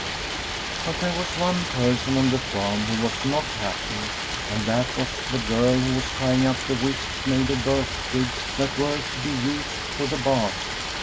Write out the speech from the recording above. But there was one person on the farm who was not happy, and that was the girl who was tying up the whisks made of birch twigs that were to be used for the baths.